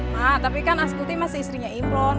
mak tapi kan asyikuti masih istrinya imran